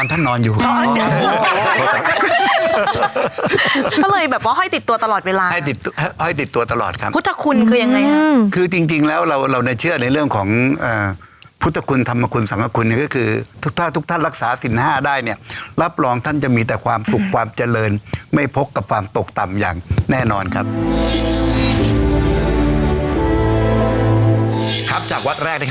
อันเนี่ยมดงามมากเลยอ่ะอ๋อผมนึกว่าตรงนั้นจะค่อยพระนอนวัดบ่อสามแสนไง